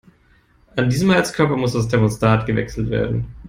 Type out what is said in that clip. An diesem Heizkörper muss das Thermostat gewechselt werden.